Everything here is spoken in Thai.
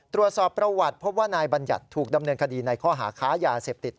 ตรวจสอบประวัติพบว่านายบัญญัติถูกดำเนินคดีในข้อหาค้ายาเสพติด